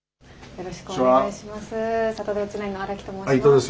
よろしくお願いします。